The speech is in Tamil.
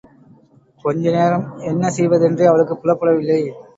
கொஞ்ச நேரம் என்ன செய்வதென்றே அவளுக்குப் புலப்படவில்லை.